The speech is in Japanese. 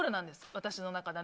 私の中で。